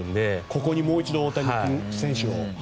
ここでもう一度大谷選手を。